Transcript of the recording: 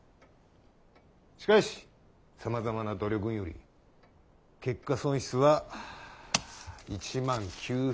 しかしさまざまな努力んより結果損失は１万９，０００円に抑えられとった。